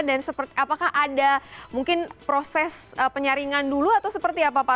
dan apakah ada mungkin proses penyaringan dulu atau seperti apa pak